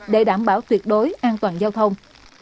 để đảm bảo tuyệt đối an toàn giao thông